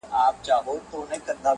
وروڼه له وروڼو څخه بیریږي٫